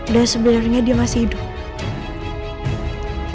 dan sebenarnya dia masih hidup